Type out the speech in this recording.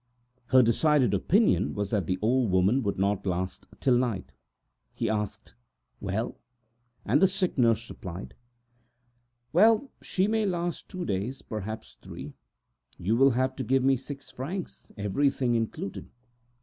His decided opinion was, that the old woman would not last out the night, and he asked: "Well?" And the sick nurse replied: "Well, she may last two days, perhaps three. You will have to give me six francs, everything included."